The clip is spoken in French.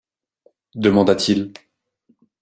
demanda-t-il.